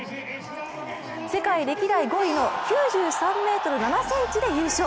世界歴代５位の９３ｍ７ｃｍで優勝。